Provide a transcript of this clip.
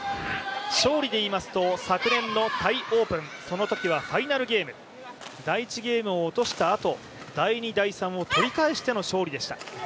勝利でいいますと、昨年のタイオープンのときはファイナルゲーム第１ゲームを落としたあと第２、第３を取り返しての勝利でした。